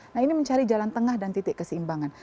nah ini mencari jalan tengah dan titik keseimbangan